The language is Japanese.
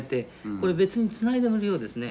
これ別につないでるようですね。